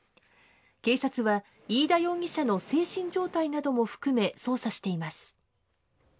警察は飯田容疑者の精神状態なども含め捜査しています。